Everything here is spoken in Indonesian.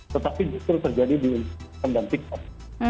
tetapi justru terjadi di sistem dan tiktok